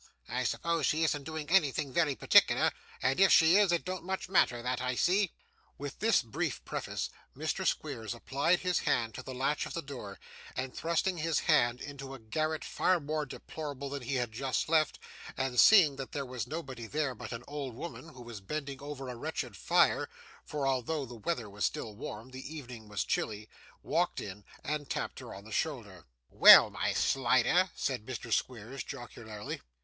I suppose she isn't doing anything very particular; and if she is, it don't much matter, that I see.' With this brief preface, Mr. Squeers applied his hand to the latch of the door, and thrusting his head into a garret far more deplorable than that he had just left, and seeing that there was nobody there but an old woman, who was bending over a wretched fire (for although the weather was still warm, the evening was chilly), walked in, and tapped her on the shoulder. 'Well, my Slider,' said Mr. Squeers, jocularly.